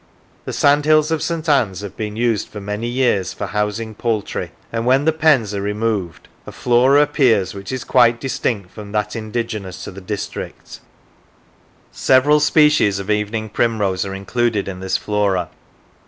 The sandhills of St. Anne's have been used for many years for housing poultry, and when the pens are removed a flora appears which is quite distinct from that indigenous to the district. Several species of evening primrose are included in this flora.